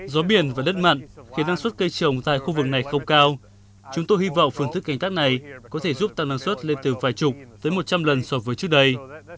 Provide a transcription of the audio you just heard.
gió biển và đất mặn khiến năng suất cây trồng tại khu vực này không cao chúng tôi hy vọng phương thức canh tác này có thể giúp tăng năng suất lên từ vài chục tới một trăm linh lần so với trước đây